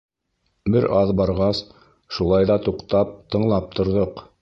Бер аҙ барғас, шулай ҙа туҡтап, тыңлап торҙоҡ!